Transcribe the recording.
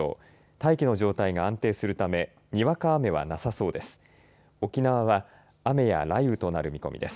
大気の状態が安定するためにわか雨はなさそうです。